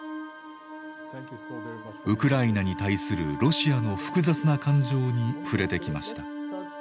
ウクライナに対するロシアの複雑な感情に触れてきました。